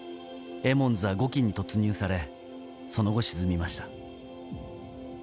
「エモンズ」は５機に突入されその後沈みました。